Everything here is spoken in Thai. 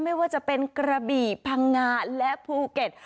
ไม่ว่าจะเป็นกระบี่พังงาและภูเก็ต